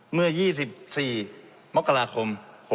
เมื่อ๒๔มกราคม๖๖